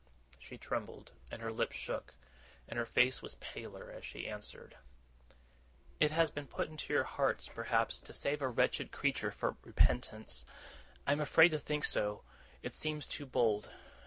She trembled, and her lip shook, and her face was paler, as she answered: 'It has been put into your hearts, perhaps, to save a wretched creature for repentance. I am afraid to think so; it seems too bold.